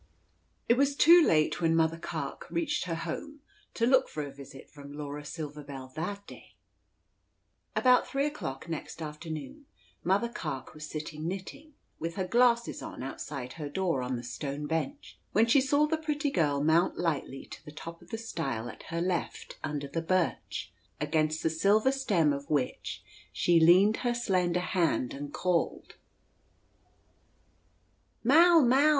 It was too late when Mother Carke reached her home to look for a visit from Laura Silver Bell that day. About three o'clock next afternoon, Mother Carke was sitting knitting, with her glasses on, outside her door on the stone bench, when she saw the pretty girl mount lightly to the top of the stile at her left under the birch, against the silver stem of which she leaned her slender hand, and called, "Mall, Mall!